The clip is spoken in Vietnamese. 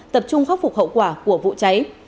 tập trung khắc phục hậu quả của vụ cháy